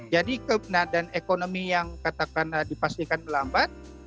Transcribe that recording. jadi kebenaran ekonomi yang katakan dipastikan melambat